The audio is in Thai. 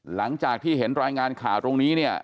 หลังจากที่เห็นรายงานข่าวตรงนี้เนี่ย